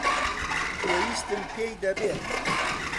پێویستم پێی دەبێت.